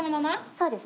そうです。